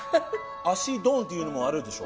足ドンっていうのもあるんでしょ？